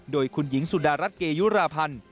โดยคุณหญิงสุดารัฐเกยุราพันธ์